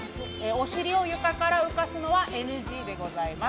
お尻を床から離すのはＮＧでございます。